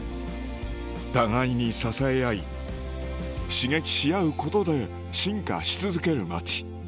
互いに支え合い刺激し合うことで進化し続ける町